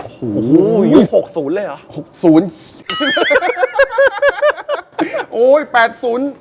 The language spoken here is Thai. โอ้โหยุค๖๐เลยเหรอ